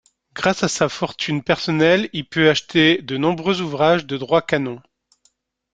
Grâce à sa fortune personnelle, il put acheter de nombreux ouvrages de droit canon.